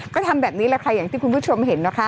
ก็ทำแบบนี้แหละค่ะอย่างที่คุณผู้ชมเห็นนะคะ